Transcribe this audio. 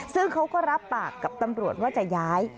ซึ่งเขาก็รับปากกับตำรวจว่าจะย้าย